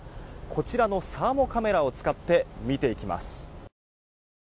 こちらのサーモカメラを使って見ていきます。